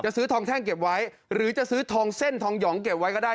ซื้อทองแท่งเก็บไว้หรือจะซื้อทองเส้นทองหยองเก็บไว้ก็ได้